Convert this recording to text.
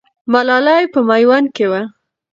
ملالۍ په میوند کې وه.